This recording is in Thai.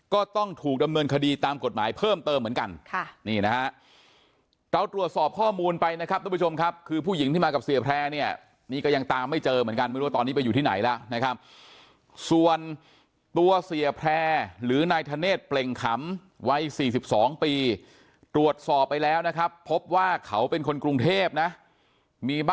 ก็ต้องถูกดำเนินคดีตามกฎหมายเพิ่มเติมเหมือนกันค่ะนี่นะฮะเราตรวจสอบข้อมูลไปนะครับทุกผู้ชมครับคือผู้หญิงที่มากับเสียแพร่เนี่ยนี่ก็ยังตามไม่เจอเหมือนกันไม่รู้ว่าตอนนี้ไปอยู่ที่ไหนแล้วนะครับส่วนตัวเสียแพร่หรือนายธเนธเปล่งขำวัย๔๒ปีตรวจสอบไปแล้วนะครับพบว่าเขาเป็นคนกรุงเทพนะมีบ